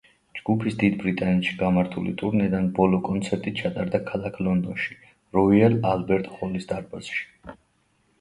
ჯგუფის დიდ ბრიტანეთში გამართული ტურნედან ბოლო კონცერტი ჩატარდა ქალაქ ლონდონში, როიალ ალბერტ ჰოლის დარბაზში.